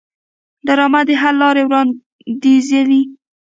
ډرامه د حل لارې وړاندیزوي